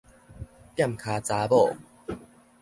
踮跤查某